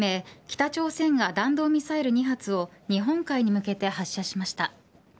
北朝鮮が弾道ミサイル２発を日本海に向けて発射しました。